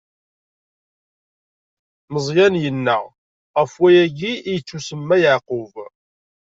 Meẓyan yenna: Ɣef wayagi i yettusemma Yeɛqub!